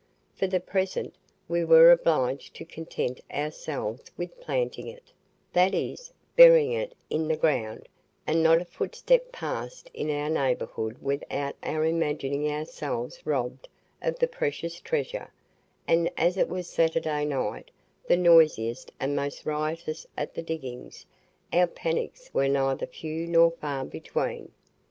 For the present we were obliged to content ourselves with "planting" it that is, burying it in the ground; and not a footstep passed in our neighbourhood without our imagining ourselves robbed of the precious treasure, and as it was Saturday night the noisiest and most riotous at the diggings our panics were neither few nor far between.